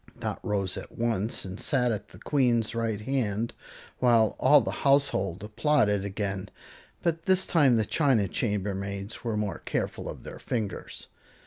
Dot rose at once and sat on the Queen's right hand, while all the household applauded again; but this time the china chambermaids were more careful of their fingers.